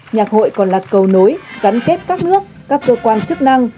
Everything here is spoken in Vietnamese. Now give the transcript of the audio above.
nhạc hội còn là cầu nối gắn kết các nước các cơ quan chức năng